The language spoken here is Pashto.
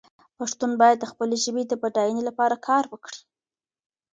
پښتون باید د خپلې ژبې د بډاینې لپاره کار وکړي.